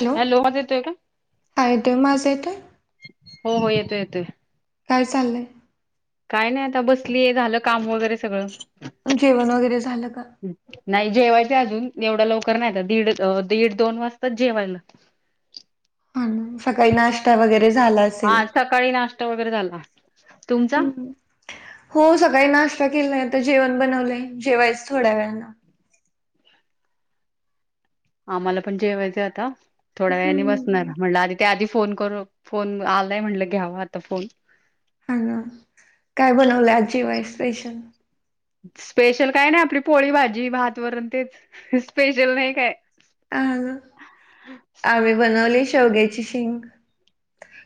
Hello आवाज येतोय का? हायतम माझे ते हो हो येतोय येतोय काय चाल्लंय काय नाही आता बसली ये झालं काम वगैरे सगळं जेवण वगैरे झालं का ह् नाही जेवायचे अजून एवढा लवकर नाहीता दीड दीड दोन वाजता जेवायला हा सकाळी नास्ता वगैरे झाला असेल हा सकाळी नाश्ता वगैरे झाला तुमचा? हम्म हो सगळी नाश्ता केला जेवण बनवलंय जेवायच थोड्या वेळानं आम्हाला पण जेवायचं आता थोड्या वेळाने बसणार हम्म म्हटलं आधी ते आधी फोन कर फोन आलाय म्हटलं घ्यावा आता फोन हॅल काय बनवलं आज जेवाय स्पेशल स्पेशल काय नाही आपली पोळी भाजी भात वण तेच स्पेशल नाही काय ह आम्ही बनवली शेवग्याची शेंग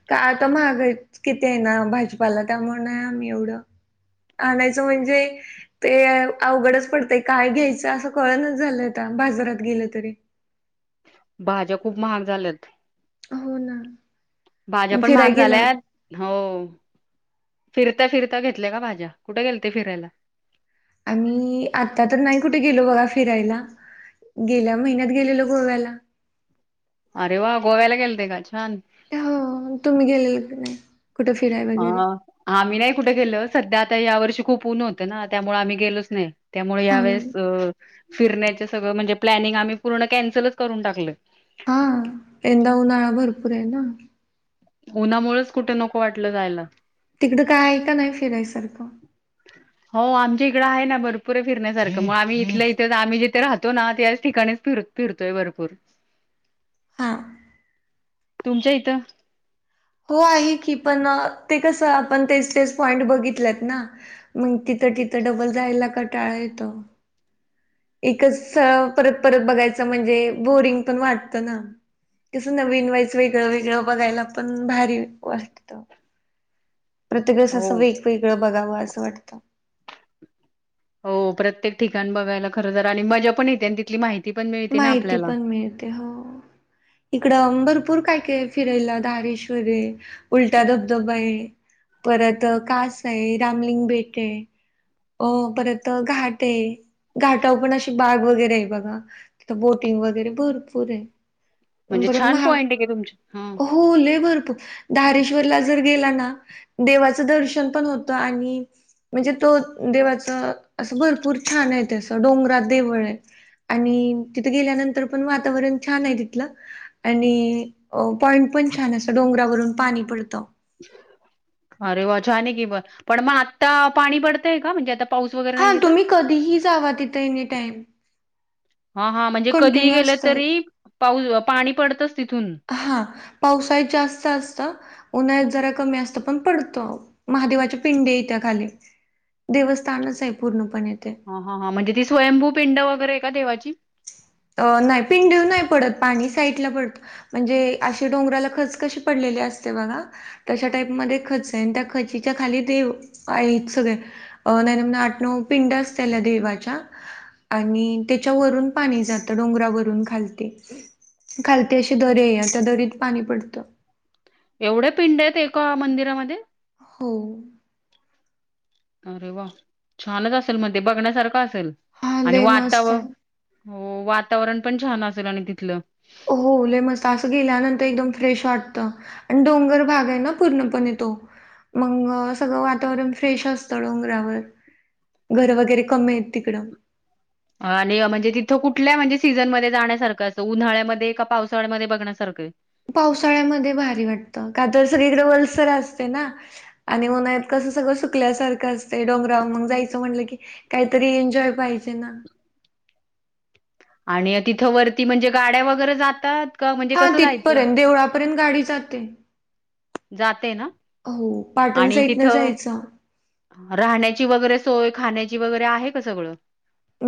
का आता महागाय किती आहे ना भाजपाला त्यामुळे आहे आम्ही एवढं आणायच म्हणजे ते अवघडच पडतंय काय घ्यायचं असं कळनच झालंयता बाजारात गेलं तरी भाज्या खूप महाग झाल्यात हो ना भाज्या पण फिराय महाग गेला झाल्यात हो फिरता फिरता घेतल्या का भाज्या कुठे गेलता फिरायला आणि आता तर नाही कुठे गेलो बघा फिरायला गेल्या महिन्यात गेलेलो गोव्याला अरे वा गोव्याला गेल ते का छान हो तुम्ही गेलेले नाही कुठे फिराय अ वगैरे आम्ही नाही कुठे गेलो सध्या आता या वर्षी खूप उन होत ना त्यामुळे आम्ही गेलोच नाही त्यामुळे हा ना यावेेळेस फिरण्याच सगळं म्हणजे प्लॅनिंग आम्ही पूर्ण कॅन्सलच करून टाकलं हा यंदा उनळा भरपूर आहे ना उन्हामुळेच कुठे नको वाटलं जायला तिकडं काय का नाही फिरायसारखं हो आमच्या इकड आहे ना भरपुरे फिरण्यासाठी ग आ्ही इथ इथे आम् जिथे राहो तो ना त्याच ठिकाणीच फिर फिरतोय भरपूर हा तुमच्या इथं. हो आहे की, पण ते कसं आपण तेच तेच, पॉइंट बघितलेत ना मग तिथं तिथं, डबल जायला कटाळ येत. एकच परत परत, बघायचं म्हणजे बोरिंग पण वाटतं ना कसं नवीन वाईस वेगळ वेगळं, बघायला पण भारी वाटत. प्रत्येक वेळेस हो असं वेगवेगळं. बघावं असं वाटत. हो प्रत्येक ठिकाण बघायला खर तर आणि मजा पण येते आणि तिथली माहिती. पण मिळते ना माहिती आपल्याला पण मिळते हो इकड अंबर. भरपूर काय काय फिरायला दारेश्वरे. उलटा धबधबा आहे. परत कास आहे रामलिंग बेट आहे, अ परत घाट आहे. घाटा पण अशी बाग. वगैरे बघा. तिथ बोटिंग वगैरे भरपूर आहे. म्हणजे बर छान महा पॉईंट आहे की तुमची हा हो भरपूर दारेश श्वरला जर गेला ना देवाचं दर्शन पण होत आणि म्हणजे तो देवाच अस भरपूर छान आहे, तेसं डोंगरा देवळ आहे, आणि. तिथं गेल्यानंतर पण वातावरण छान आहे तिथलं. आणि ओ. पॉइंट पण छान असं डोंगरावरून पाणी पडतं. अरे वाचाने की, ब पण मग आता पाणी पडतंय का म्हणजे आता. पाऊस वगैरे हा नाहीये तर? तुम्ही कधीही जावा तिथं एनी टाईम. हा ह म्हणजे कधी कंटिन्यू गेलं तरी. पाऊस पाणी पडतच. हा पावसाळीत जास्त असत. उन्हात जरा कमी असत पण पडत महादेवाचे पिंडे त्या्या खाली देवस्थानच आहे पूर्ण. हा हा हा म्हणजे ती स्वयंभू पिंड वगैरे. का देवाची. अ नाही पिंड नाही पडत पाणी साईडला पडत म्हणजे, अशी डोंगराला खच कशी पडलेली असते बघा तशा टाईपमध्येध्ये खच आहे, आणि त्या खचीच्या खाली देव आहेत, सगळे अ नाही नव आठ नऊ पिंड असतल्या देवाच्या आणि त्याच्यावररून पाणी जात. डोंगरा वरून खालती खालती अशी दरी आहे, त्या दरीत पाणी पडत. एवढे पिंड आहेत एका मंदिरामध्ये. हो. अरे वा छानच असेल मग ते बघण्यासारखं. असेल हा आणि लय वाता मस्त हा आहे. [unintelligible] वातावरण पण छान असेल आणि तिथलं. हो लय मस्त असं गेल्यानंतर एकदम फ्रेश वाटत, आणि डोंगर भाग आहे, ना पूर्णपणे तो मग सगळं वातावरण फ्रेश असतं डोंगरावर घर वगैरे कमी आहेत तिकडं. आणि म्हणजे तिथं कुठल्या म्हणजे, सीझनमध्ये जाण्यासारखं असं उन्हाळ्यामध्ये का पावसाळ्यामध्ये बघण्यासारखं. पावसाळ्यामध्ये भारी वाटत का तर सगळीकडे वलसर. वलसर असतय ना. आणि उन्हाळात कसं ना सगळं सुकल्यासारखं असतय डोंगरावर मग जायचं म्हटलं की, काहीतरी एन्जॉय पाहिजे ना. आणि तिथं वरती म्हणजे गाड्या वगैरे जातात. का म्हणजे हा कसं जायचं? तिथपर्यंत देवळापर्यंत गाडी जाते. जाते ना, हो पाटण आणि तिथ साईडनं जायचं राहण्याची वगैरे सोय खाण्याची वगैरे आहे का सगळं.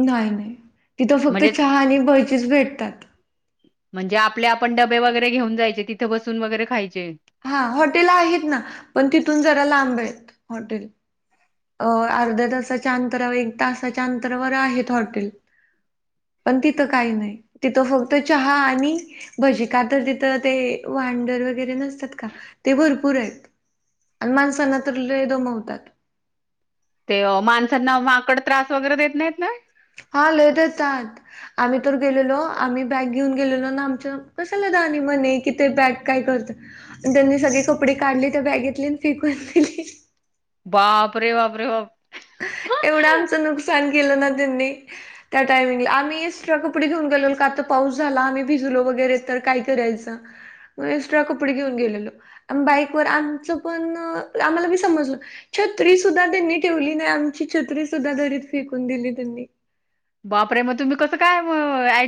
नाही, तिथं फक्त म्हणजे चहा आणि भजी च भेटतात. म्हणजे आपले आपण डबे वगैरे घेऊन जायचे तिथे बसून वगैरे खायचे. हा हॉटेल आहेत ना पण तिथून जरा लांब आहेत हॉटेल अर्ध्या तासाच्या अंतरावर एक तासाच्या अंतरावर आहेत हॉटेल पण तिथं काही नाही तिथं फक्त चहा आणि भजी का तर तिथं ते वांडर वगैरे नसतात. का ते भरपूर आहेत आणि माणसांना तर लय दमवतात. ते माणसांना माकड त्रास वगैरे देत नाहीत ना. हा लय देतात आम्ही तर गेलेलो आम्ही बॅग घेऊन गेलेलो ना आमच्या कशला जाणी म्हणे कि ते बॅग काय करत आणि त्यांनी सगळे कपडे काढले त्या बॅगेतले फेकून दिली. बापरे बापरे बाप! केल ना त्यांनी त्या टायमिंगला आम्ही एक्स्ट्रा कपडे घेऊन गेलेलो काता पाऊस झाला आम्ही भिजलो वगैरे तर काय करायच एक्स्ट्रा कपडे घेऊन गेलेलो बाईक व आमच पण आम्हाला बी समजल छत्री सुद्धा त्यांनी ठेवली. आणि आमची छत्री सुद्धा दरीत फेकून दिली त्यांनी. बापरे! मग तुम्ही कसं काय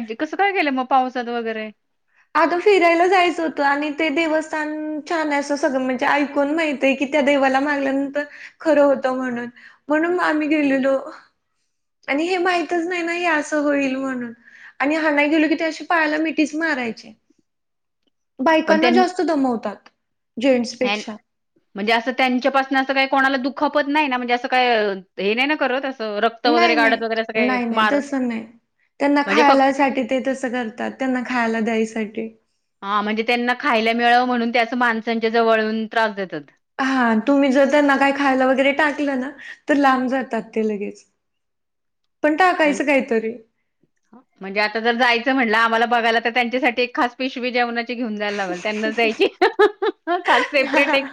म कसं काय केलं मग पावसात वगैरे. अगं फिरायला जायचं होतं आणि ते देवस्थान छान अस सगळं म्हणजे ऐकून माहितय की त्या देवाला मागल्यानंतर खरं होतं म्हणून, म्हणून आम्ही गेलेलो आणि हे माहितच नाही ना हे असं होईल म्हणून आणि हाणायला गेलो की त्याशी पायाला मिठीच माराय ची. पण बायकांना त्यां जास्त दमवतात त्यां- जेंट्सपेक्षा. म्हणजे असं त्यांच्यापासून असं काही कोणाला दुःखपत नाही ना म्हणजे असं काय हे नाही करत. असं रक्त वगैरे नाही काढत नाही, वगैरे असं काय नाही नाही मार तस नाही त्यांना म्हणजे फक्त खायला साठी ते तसं करतात त्यांना खायला द्यायसाठी. ते हा म्हणजे त्यांना खायला मिळाव म्हणून ते अस माणसांच्या जवळ येऊन त्रास देतात. हा तुम्ही जर त्यांना काही खायला वगैरे टाकलं ना तर लांब जातात ते लगेच. पण टाकायचं काहीतरी. म्हणजे आता जर जायचं म्हणटलं आम्हाला बघायला. त्यांच्यासाठी एक खास पिशवी जेवना घेऊन जायला लावल त्यांनाच द्यायची. सेपरेट एक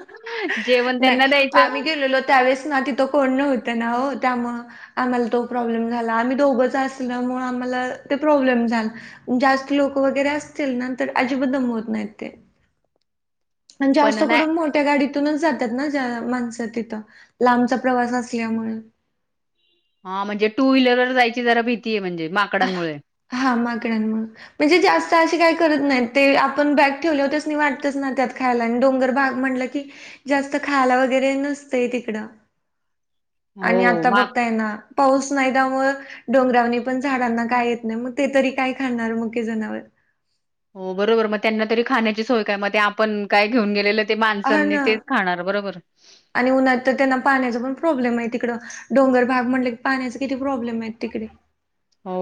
जेवण नाही त्यांना द्यायचं आम्ही गेलेलो त्यावेेळेस ना तिथं कोण न्हवत ना ओ. हो त्यामुळे आम्हाला तो प्रॉब्लेम झाला आम्ही दोघच असल्यामुळ आम्हाला ते प्रॉब्लेम झाल जास्त लोक वगैरे असतील ना तर अजिबातम दमवत नाही ते. आणि पण जास्त नाही करून मोठ्या गाडीतूनच जात ज्या माणसं तिथं लांबचा प्रवास असल्यामुळे हा म्हणजे टू व्हीलरवर जायची जरा भीती आहे म्हणजे माकडांमुळे. हा मागडंमुळे म्हणजे जास्त असे काही करत नाही ते. आपण बॅग ठेवले त्यास्नी वाटतच ना त्यात खायला आणि डोंगर भाग म्हणलं की जास्त खायला वगैरे नसतय तिकडं. आणि हो आता माक बघताय ना. पाऊस नाही त्यामुळे डोंगरावनी पण झाडांना काय नाही मग ते तरी काय करणार मुख्य जनावर. हो बरोबर मग त्यांना तरी खाण्याची सोय काय मग ते आपण काय घेऊन गेलेलं. ते हा माणसांनी ना, तेच खाणार बरोबर आणि उन्हात तर त्यांना पाण्याचा पण प्रॉब्लेम आहे तिकडं. डोंगर भाग म्हणलं की पाण्याचे किती प्रॉब्लेम आहे तिकडे. हो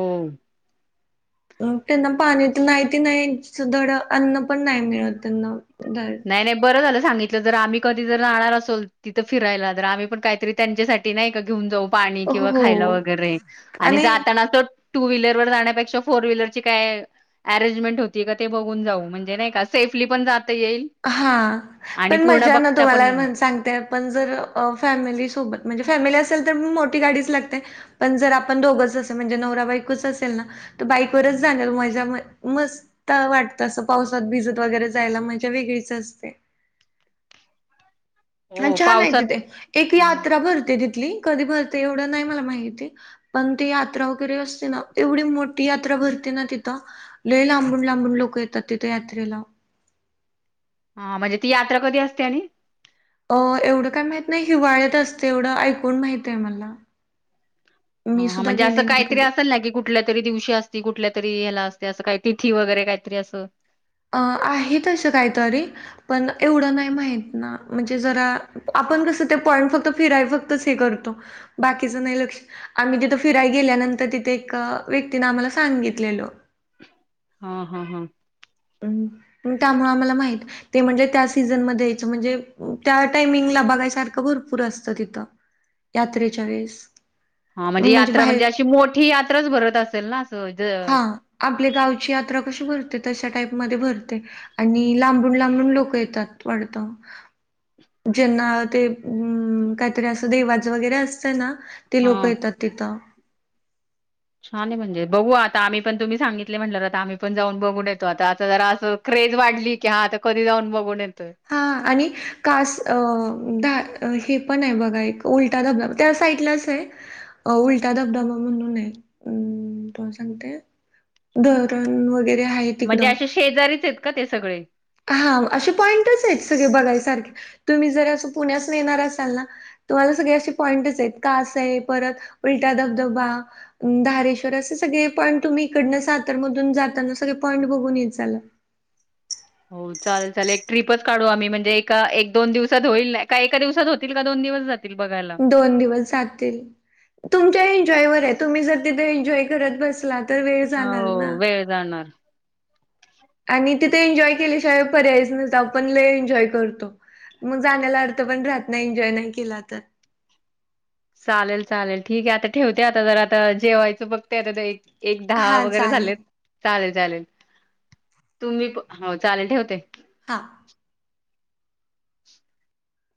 अ त्यांना पाणी तर नाहीती नाही धड अन्न पण नाही मिळत त्यांना धड नाही नाही बरं झालं सांगितलं जर आम्ही कधी जर राहणार असोल तिथं फिरायला जर आम्ही पण काहीतरी त्यांच्यासाठी नाही का घेऊन जाऊ पाणी किंवा खायला हो वगैरे आणि जातानाच टू व्हीलरवर जाण्यापेक्षा फोर व्हीलरची काय अरंजमेंट होती का ते बघून जाऊ म्हणजे नाही का सेफली पण जात ये हा पण मजा ना पण येईल तुम्हाला सांगते पण जर फॅमिली सोबत म्हणजे फॅमिली तर मोठी गाडीच लागते पण जर आपण दोघच असेल म्हणजे नवरा बायको चं असेल ना तर बाईकवरच जाण्या मज्जा मस्त वाटत अस पावसात भिजत वगैरे जायला म्ह वेगळीच असते ह हो छान आहे पावसात तिथे एक हा यात्रा भरते तिथे कधी भरते एवढं नाही मला माहिती पण ती यात्रा वगैरे असते ना एवढी मोठी यात्रा भरते ना तिथं लई लांबून लांबून लोक येतात तिथे यात्रेला हा म्हणजे ती यात्रा कधी असते आणि अ एवढं काय माहित नाही हिवाळ्यात असते एवढं ऐकून माहित आहे मला ह मी ह सुद्धा म्हणजे असं गेले नाही काहीतरी कधी असेल ना की कुठल्या तरी दिवशी असतील कुठल्या तरी ह्याला अस तें काही तिथी वगैरे काहीतरी असं अ आहेतसं काहीतरी पण एवढं नाही माहित ना म्हणजे जरा आपण कसं ते पॉइंट फक्त फिराय फक्तच हे करतो बाकीचं नाही लक्ष आम्ही तिथं फिराय गेल्यानंतर तिथे एक व्यक्तीने आम्हाला सांगितलेल हा हा हा पण त्यामुळे आम्हाला माहित ते म्हणजे त्या सीझनमध्येध्ये यायचं म्हणजे त्या टाइमिंगला बघायसारखं भरपूर असतं तिथं यात्रेच्या वेळेस हा म्हणजे यात्रा म्हणजे अशी मोठी यात्राच भरत असेल ना असं ज हा आपल्या गावची आता क भरते तश टाईप म भरते आणि लांबून लांबून लोक येतात वाढत ज्यांना ते हम्म काहीतरी अस देवाच वगैरे असतं ना ते लोक येतात तिथं ान आहे म्हणजे बघू आता आम्ही पण तुम्ही सांगितले म्हणले आता आम्ही पण जाऊन बघून येतो आता आता जरा असं क्रेज वाढली की हा आता कधी जाऊन बघून येत हा आणि कास अ हे पण आहे बघा एक उलटा धबधबा त्या साईडलाच आहे उलटा धबधबा म्हणून आहे त सांगते धरण वगेरे म्हणजे अशे शेजारीच आहेत का ते सगळे हा असे पॉंटच आहेत सगळे बघायसारखे तुम्ही जर असं पुण्यासून येणार असाल ना तुम्हाला सगळे असे पॉईंटच आहेत कास आहे परत उलटा धबधबा धारेश्वर असे सगळे पॉईंट तुम्ही इकडनं सातरमधून जाताना सगळे पॉईंट बघून आत चला हो चाल चाल एक ट्रीपच काढू आम्ही म्हणजे एका एक दोन दिवसात होईल का एका दिवसात होतील का दोन दिवस जाती दोन दिवस जातील तुम ते एनजॉय वरय तुम्ही ज तथे एन्जॉय करत बसलात हव वेळ जाणार आणि तिथे एन्जॉय केल्याशिवाय पर्यायच नाही तर आपण ल एन्जॉय करतो मग जाण्याला अर्थ पण राहत नाही एन्जॉय नाही केला तर चालेल चालेल ठीक आहे आता ठेवते आता जर आता जेवायचं बघते आता एक दहा हां, वगैरे चालेल. झालेत चालेल चालेल तुम्ही हो चालेल ठेवते हा